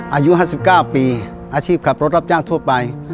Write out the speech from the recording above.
อายุห้าสิบเก้าปีอาชีพขับรถรับจ้างทั่วไป